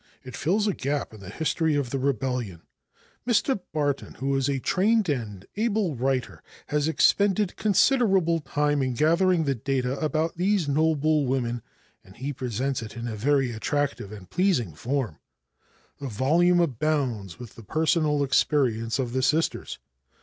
It fills a gap in the history of the Rebellion. Mr. Barton, who is a trained and able writer, has expended considerable time in gathering the data about these noble women and he presents it in a very attractive and pleasing form. The volume abounds with the personal experience of the Sisters.